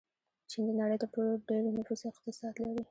چین د نړۍ تر ټولو ډېر نفوس اقتصاد لري.